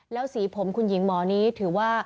แล้วสีผมคุณหญิงหมอนี้ถือว่า